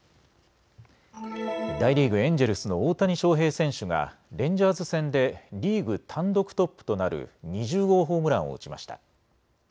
大リーグ、エンジェルスの大谷翔平選手がレンジャーズ戦でリーグ単独トップとなる２０号ホームランを打ちました。